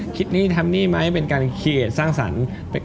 คิดนี้ทำนี่ไหมเป็นการเปลี่ยนสร้างสรรค์